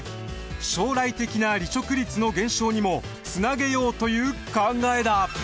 将来的な離職率の減少にもつなげようという考えだ。